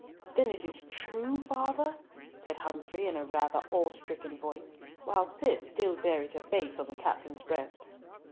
"Then it is true, father?" said Humfrey, in rather an awe stricken voice, while Cis still buried her face on the captain's breast.